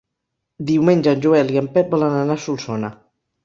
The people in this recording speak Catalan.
Diumenge en Joel i en Pep volen anar a Solsona.